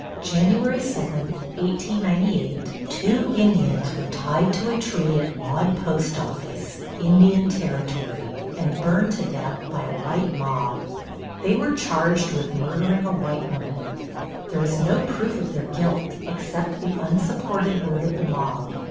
Jan. 7, 1898, two Indians were tied to a tree at Maud Post Office, Indian Territory, and burned to death by a white mob. They were charged with murdering a white woman. There was no proof of their guilt except the unsupported word of the mob.